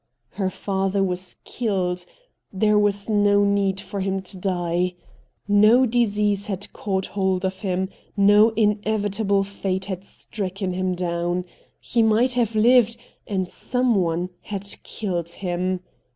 Her father was killed ! There was no need for him to die. Xo i88 RED DIAMONDS disease had caught hold of him — no inevit able fate had stricken him down. He might have lived — and someone had killed him